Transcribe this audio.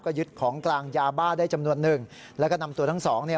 ยึดของกลางยาบ้าได้จำนวนหนึ่งแล้วก็นำตัวทั้งสองเนี่ย